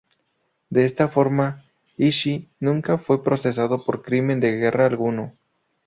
De esta forma, Ishii nunca fue procesado por crimen de guerra alguno.